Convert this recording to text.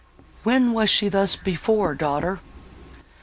When was she thus before, daughter?"